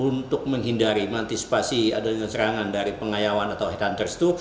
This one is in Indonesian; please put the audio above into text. untuk menghidupkan perusahaan untuk menghindari pengayawan atau ritual pemotongan kepala